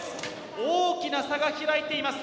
大きな差が開いています。